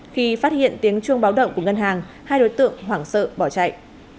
khi phát hiện tiếng chuông báo động của ngân hàng hai đối tượng hoảng sợ bỏ chạy